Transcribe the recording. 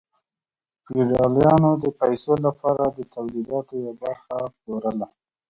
فیوډالانو د پیسو لپاره د تولیداتو یوه برخه پلورله.